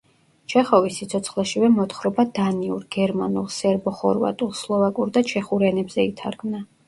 ჩეხოვის სიცოცხლეშივე მოთხრობა დანიურ, გერმანულ, სერბო-ხორვატულ, სლოვაკურ და ჩეხურ ენებზე ითარგმნა.